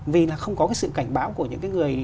vì là không có cái sự cảnh báo của những cái người